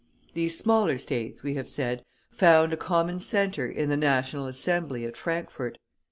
These smaller States, we have said, found a common centre in the National Assembly at Frankfort.